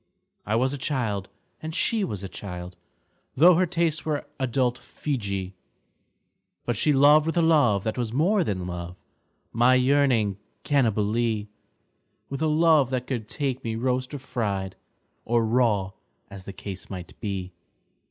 I was a child, and she was a child — Tho' her tastes were adult Feejee — But she loved with a love that was more than love, My yearning Cannibalee; With a love that could take me roast or fried Or raw, as the case might be.